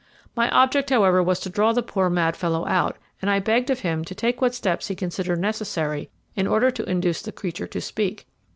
My object, however, was to draw the poor mad fellow out, and I begged of him to take what steps he considered necessary in order to induce the creature to speak.